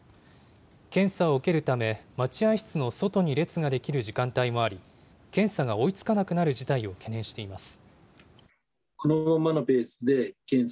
検査を受けるため、待合室の外に列が出来る時間帯もあり、検査が追いつかなくなる事態を懸念しています。